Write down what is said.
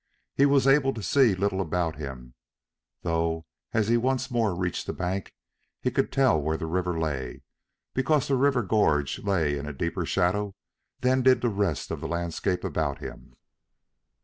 He was able to see little about him, though as he once more reached the bank he could tell where the river lay, because the river gorge lay in a deeper shadow than did the rest of the landscape about him.